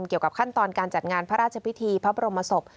เกี่ยวกับขั้นตอนการจัดงานพระราชพิธีพระบรมศพ